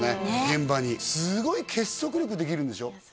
現場にすごい結束力できるんでしょ？